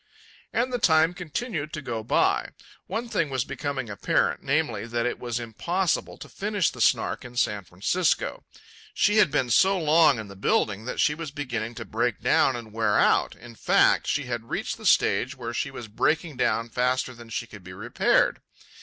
And the time continued to go by. One thing was becoming apparent, namely, that it was impossible to finish the Snark in San Francisco. She had been so long in the building that she was beginning to break down and wear out. In fact, she had reached the stage where she was breaking down faster than she could be repaired.